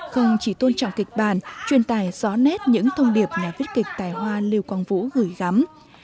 không chỉ tôn trọng kịch bàn chuyên tài gió nét những thông điệp nhà viết kịch tài hoa liêu quang vũ gửi gắm